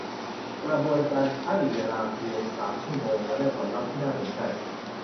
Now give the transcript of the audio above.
กระบวนการใช่เวลาเพียง สาม ชั่วโมง แต่ได้ผลลัพธ์ที่น่าสนใจ